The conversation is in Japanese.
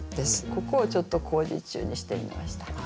ここをちょっと工事中にしてみました。